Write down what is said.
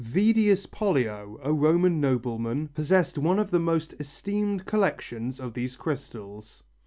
Vedius Pollio, a Roman nobleman, possessed one of the most esteemed collections of these crystals.